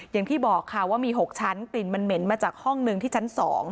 อย่างที่บอกค่ะว่ามี๖ชั้นกลิ่นมันเหม็นมาจากห้องหนึ่งที่ชั้น๒